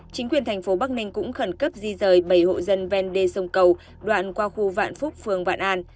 chính quyền thành phố bắc ninh cũng khẩn cấp di rời bảy hộ dân ven đê sông cầu đoạn qua khu vạn phúc phường vạn an